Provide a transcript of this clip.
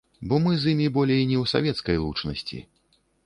Бо мы з імі болей не ў савецкай лучнасці.